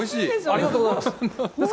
ありがとうございます。